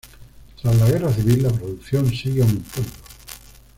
Tras la guerra civil, la producción sigue aumentando.